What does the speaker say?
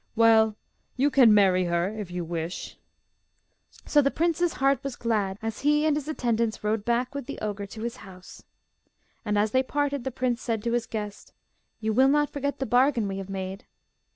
'Well, you can marry her if you wish,' said he. So the prince's heart was glad as he and his attendants rode back with the ogre to his house. And as they parted, the prince said to his guest, 'You will not forget the bargain we have made?